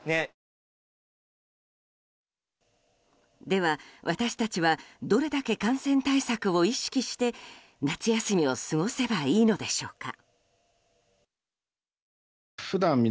では、私たちはどれだけ感染対策を意識して夏休みを過ごせばいいのでしょうか。